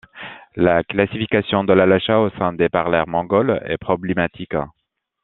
La classification de l'alasha au sein des parlers mongols est problématique.